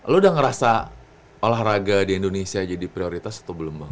lo udah ngerasa olahraga di indonesia jadi prioritas atau belum bang